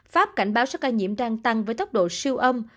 pháp cảnh báo số ca nhiễm đang tăng với tốc độ siêu âm